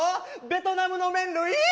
ベトナムの麺類！